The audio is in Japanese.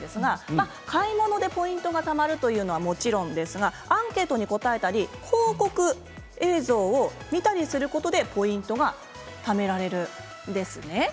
買い物でポイントがたまるのはもちろんアンケートに答えたり広告映像を見たりすることでポイントがためられるんです。